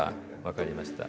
分かりました。